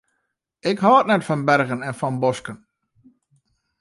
Ik hâld net fan bergen en fan bosken.